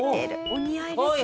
お似合いですよね。